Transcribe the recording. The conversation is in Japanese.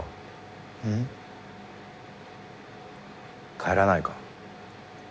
帰らないか？